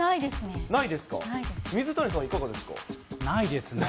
ないですね。